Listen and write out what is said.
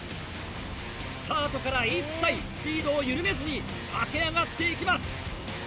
スタートから一切スピードを緩めずに、駆け上がっていきます。